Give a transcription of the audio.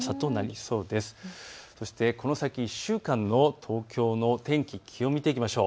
そしてこの先１週間の東京の天気、気温を見ていきましょう。